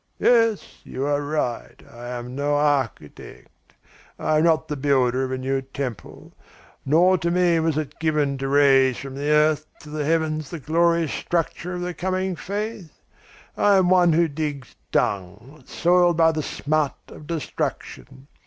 Yes, you are right, I am no architect. I am not the builder of a new temple. Not to me was it given to raise from the earth to the heavens the glorious structure of the coming faith. I am one who digs dung, soiled by the smut of destruction.